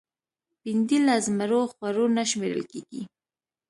بېنډۍ له زمرو خوړو نه شمېرل کېږي